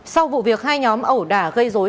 sau vụ việc hai nhóm ẩu đả gây dối